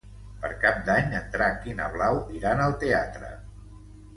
Per Cap d'Any en Drac i na Blau iran al teatre.